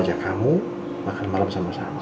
aku suka menyenyum istri